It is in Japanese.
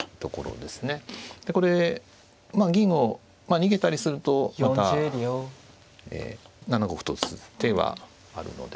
でこれ銀を逃げたりするとまた７五歩と打つ手はあるので。